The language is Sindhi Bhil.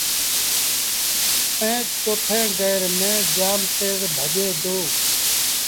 ائيٚݩ چوٿيٚن گير ميݩ جآم تيز ڀڄي دو۔